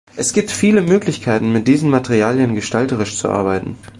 Es gibt viele Möglichkeiten, mit diesen Materialien gestalterisch zu arbeiten.